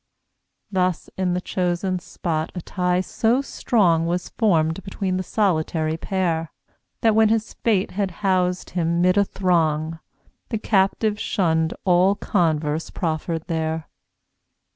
Thus in the chosen spot a tie so strong Was formed between the solitary pair, That when his fate had housed him 'mid a throng The Captive shunned all converse proffered there.